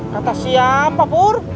kata siapa pur